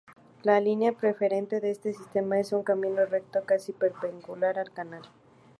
La "línea" preferente de este sistema es un camino recto casi perpendicular al canal.